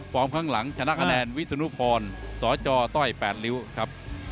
ข้างหลังชนะคะแนนวิศนุพรสจต้อย๘ริ้วครับ